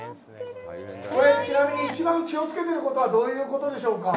ちなみに一番気をつけてることはどういうことでしょうか。